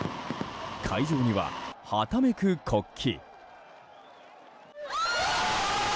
会場には、はためく国旗。